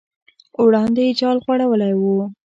وړاندې یې جال غوړولی و.